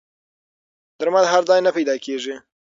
درمل هر ځای نه پیدا کېږي.